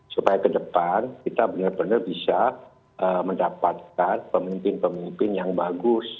supaya ke depan kita benar benar bisa mendapatkan pemimpin pemimpin yang bagus